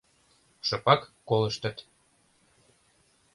Шыпак колыштыт.